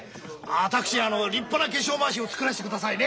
私に立派な化粧まわしを作らせてくださいね！